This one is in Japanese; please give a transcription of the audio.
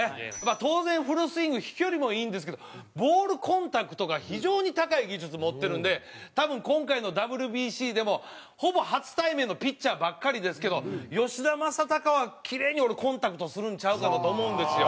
当然フルスイング飛距離もいいんですけどボールコンタクトが非常に高い技術持ってるんで多分今回のＷＢＣでもほぼ初対面のピッチャーばっかりですけど吉田正尚はキレイにコンタクトするんちゃうかなと思うんですよ。